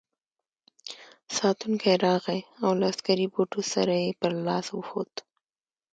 ساتونکی راغی او له عسکري بوټو سره یې پر لاس وخوت.